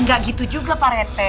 ya gak gitu juga pak rete